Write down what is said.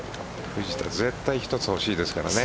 藤田、絶対１つ欲しいですからね。